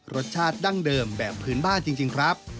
รสชาติดั้งเดิมแบบพื้นบ้านจริงครับ